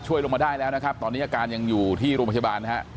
ลงมาได้แล้วนะครับตอนนี้อาการยังอยู่ที่โรงพยาบาลนะฮะ